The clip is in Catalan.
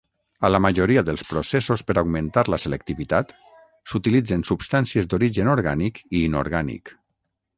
A la majoria dels processos per augmentar la selectivitat, s'utilitzen substàncies d'origen orgànic i inorgànic.